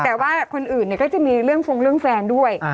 แต่ว่าคนอื่นก็จะมีเรื่องฟงเรื่องแฟนด้วย